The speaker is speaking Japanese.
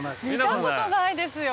見たことないですよ